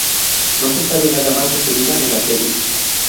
No se sabe nada más de su vida en la serie.